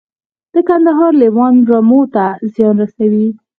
د کندهار لیوان رمو ته زیان رسوي؟